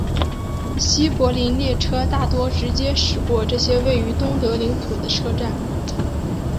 西柏林列车大多直接驶过这些位于东德领土的车站。